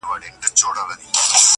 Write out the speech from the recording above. هم له ژوندیو، هم قبرونو سره لوبي کوي!.